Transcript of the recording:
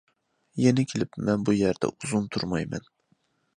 يەنە كېلىپ مەن بۇ يەردە ئۇزۇن تۇرمايمەن.